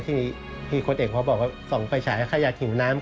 ที่โค้ดเอกเขาบอกว่าส่องไฟฉายขยะหิวน้ำ